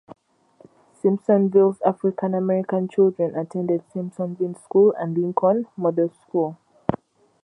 Simpsonville's African-American children attended Simpsonville School and Lincoln Model School.